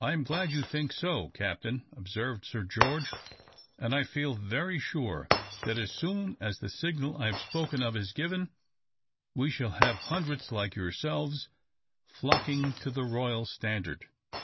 "I am glad you think so, Captain," observed Sir George; "and I feel very sure, that as soon as the signal I have spoken of is given, we shall have hundreds like yourselves flocking to the royal standard."